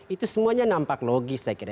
itu semuanya nampak logis saya kira